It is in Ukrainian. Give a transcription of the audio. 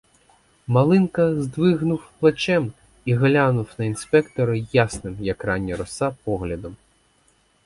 Малинка здвигнув плечем і глянув на інспектора ясним, як рання роса, поглядом.